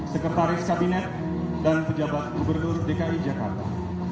sekretaris kabinet dan pejabat gubernur dki jakarta